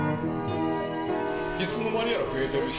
いつの間にやら増えてるし、